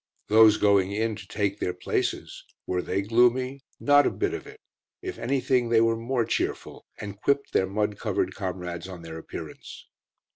Those going in to take their places: were they gloomy? Not a bit of it! If anything they were more cheerful, and quipped their mud covered comrades on their appearance.